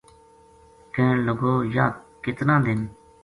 کہن لگو:”یاہ کتنا دن